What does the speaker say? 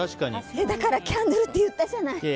だからキャンドルって言ったじゃない。